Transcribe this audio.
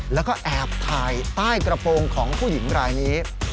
แล้วก็แอบถ่ายใต้กระโปรงของผู้หญิงรายนี้